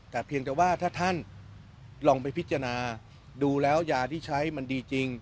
แต่เพียงแต่ว่าถ้าท่านลองไปพิจารณาดูแล้วยาที่ใช้มันดีจริง